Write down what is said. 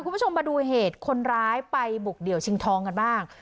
คุณผู้ชมมาดูเหตุคนร้ายไปบุกเดี่ยวชิงทองกันบ้าง